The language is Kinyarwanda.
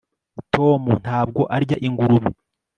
tom ntabwo arya ingurube